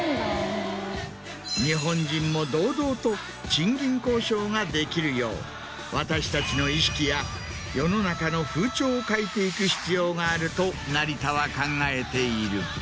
日本人も堂々と賃金交渉ができるよう私たちの意識や世の中の風潮を変えていく必要があると成田は考えている。